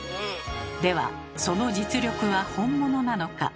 ではその実力は本物なのか？